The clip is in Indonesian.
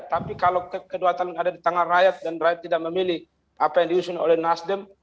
tapi kalau kedaulatan ada di tangan rakyat dan rakyat tidak memilih apa yang diusung oleh nasdem